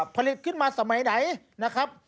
ผลิตขึ้นมาสมัยไหนนะครับ